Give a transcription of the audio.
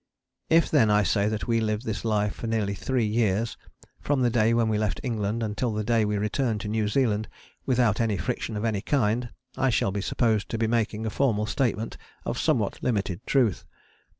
If then I say that we lived this life for nearly three years, from the day when we left England until the day we returned to New Zealand, without any friction of any kind, I shall be supposed to be making a formal statement of somewhat limited truth.